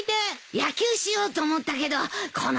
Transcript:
野球しようと思ったけどこの雨じゃね。